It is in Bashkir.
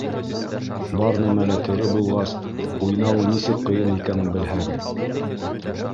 Бар нәмә лә тере булғас, уйнауы нисек ҡыйын икәнен белһәгеҙ!